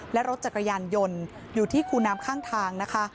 และรถจักรยานยนต์อยู่ที่คูน้ำข้างทางนะคะ